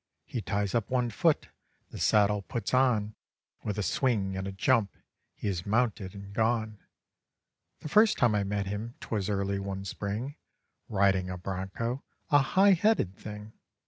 He ties up one foot, the saddle puts on, With a swing and a jump he is mounted and gone. The first time I met him, 'twas early one spring, Riding a broncho, a high headed thing.